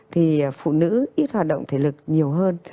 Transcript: thì phụ nữ ít hoạt động thể lực nhiều hơn